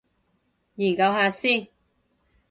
研究下先